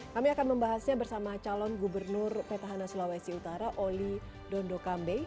kami akan membahasnya bersama calon gubernur petahana sulawesi utara oli dondo kambe